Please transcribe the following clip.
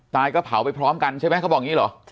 ก็เผาไปพร้อมกันใช่ไหมเขาบอกอย่างนี้เหรอ